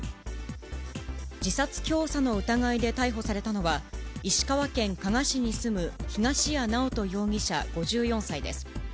自殺教唆の疑いで逮捕されたのは、石川県加賀市に住む東谷直人容疑者５４歳です。